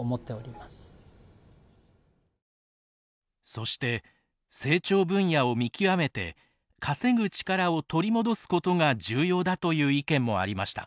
そして、成長分野を見極めて稼ぐ力を取り戻すことが重要だという意見もありました。